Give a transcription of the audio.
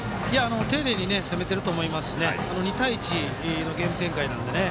丁寧に攻めていると思いますし２対１のゲーム展開なので。